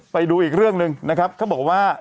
ไปดูอีกเรื่องหนึ่งนะครับเขาบอกว่า